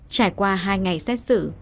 trải qua hai ngày xét xử